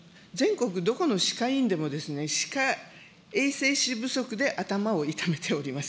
実は、全国どこの歯科医院でも、歯科衛生士不足で頭を痛めております。